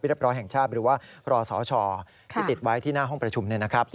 เรียบร้อยแห่งชาติหรือว่ารสชที่ติดไว้ที่หน้าห้องประชุมเนี่ยนะครับ